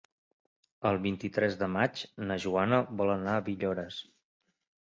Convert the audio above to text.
El vint-i-tres de maig na Joana vol anar a Villores.